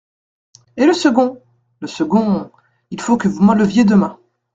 Et le second ? Le second … Il faut que vous m'enleviez demain.